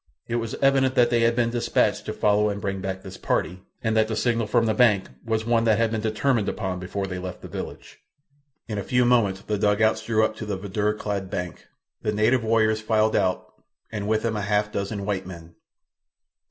It was evident that they had been dispatched to follow and bring back this party, and that the signal from the bank was one that had been determined upon before they left the village. In a few moments the dugouts drew up to the verdure clad bank. The native warriors filed out, and with them a half dozen white men.